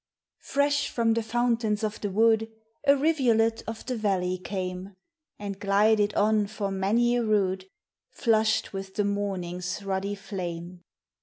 Fresh from the fountains of the wood A rivulet of the valley came, And glided on for many a rood, Flushed with the morning's ruddy flame.